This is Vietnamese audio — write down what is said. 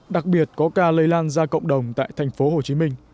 đặc biệt có ca lây lan ra cộng đồng tại thành phố hồ chí minh